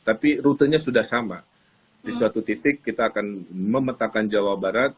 tapi rutenya sudah sama di suatu titik kita akan memetakan jawa barat